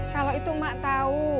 kalau itu mak tahu